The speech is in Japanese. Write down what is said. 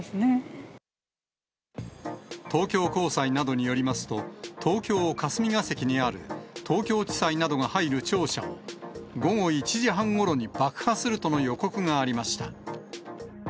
東京高裁などによりますと、東京・霞が関にある東京地裁などが入る庁舎を、午後１時半ごろに爆破するとの予告がありました。